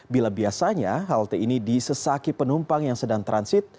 bila biasanya halte ini disesaki penumpang yang sedang transit